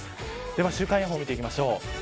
では週間予報を見ていきましょう。